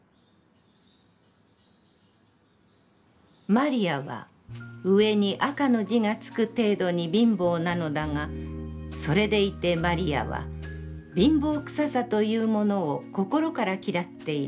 「魔利は上に『赤』の字がつく程度に貧乏なのだが、それでいて魔利は貧乏臭さというものを、心から嫌っている。